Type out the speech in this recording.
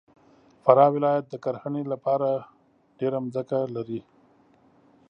فراه ولایت د کرهنې دپاره ډېره مځکه لري.